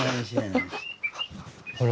ほら。